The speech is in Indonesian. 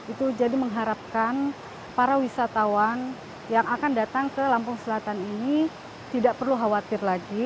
itu jadi mengharapkan para wisatawan yang akan datang ke lampung selatan ini tidak perlu khawatir lagi